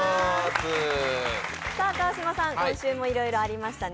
さあ、川島さん、今週もいろいろありましたね。